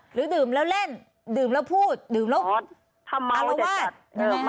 หรือดื่มแล้วเล่นดื่มแล้วพูดดื่มแล้วอารวาส